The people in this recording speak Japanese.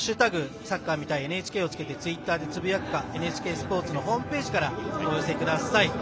サッカー見たいＮＨＫをつけてツイッターでつぶやくかＮＨＫスポーツホームページからお寄せください。